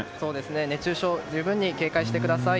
熱中症、十分に警戒してください。